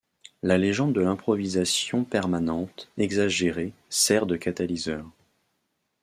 La légende de l'improvisation permanente, exagérée, sert de catalyseur.